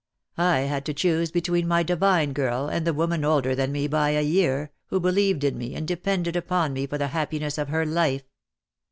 "I had to choose between my divine girl and the woman older than me by a year, who believed in me and depended upon me for the happiness of her life.